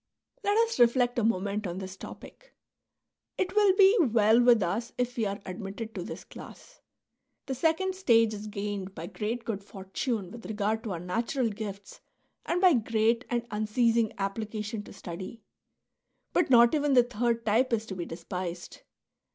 Let us reflect a moment on this topic. It will be well with us if we are admitted to this class. The second stage is gained by great good fortune with regard to our natural gifts and by great and unceasing application to study. But not even the third type is to be despised.